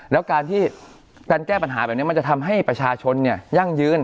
แล้วการที่การแก้ปัญหาแบบนี้มันจะทำให้ประชาชนยั่งยืน